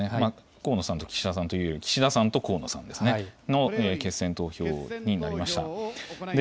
河野さんと岸田さんというか、岸田さんと河野さんですね、の決選投票になりました。